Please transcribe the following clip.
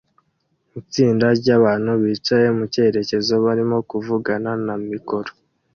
Itsinda ryabantu bicaye mucyerekezo barimo kuvugana na mikoro